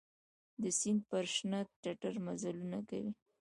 د سیند پر شنه ټټر مزلونه کوي